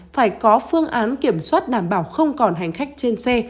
phải có phương án kiểm soát đảm bảo không còn hành khách trên xe